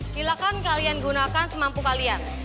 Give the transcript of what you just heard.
silakan kalian gunakan semampu kalian